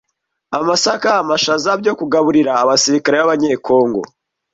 amasaka, amashaza byo kugaburira abasirikare b’abanyekongo